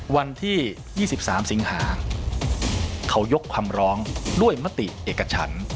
วันที่๒๓สิงหาเขายกคำร้องด้วยมติเอกฉัน